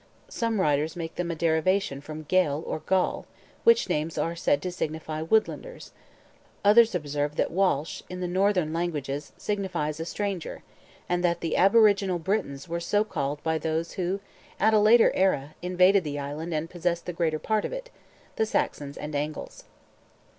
Some writers make them a derivation from Gael or Gaul, which names are said to signify "woodlanders;" others observe that Walsh, in the northern languages, signifies a stranger, and that the aboriginal Britons were so called by those who at a later era invaded the island and possessed the greater part of it, the Saxons and Angles.